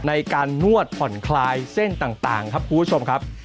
ในการนวดผ่อนคลายเส้นต่างครับคุณผู้ชมครับ